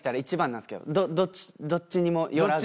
どっちにも寄らずに。